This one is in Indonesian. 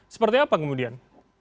seperti apa kemudian